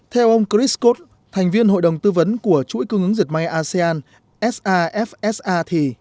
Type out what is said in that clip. theo ông chris scott thành viên hội đồng tư vấn của chuỗi cung ứng diệt mạng asean safsa thì